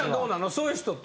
そういう人って。